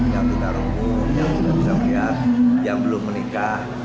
yang tidak rukun yang sudah bisa melihat yang belum menikah